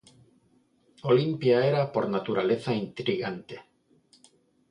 Olimpia era, por naturaleza, intrigante.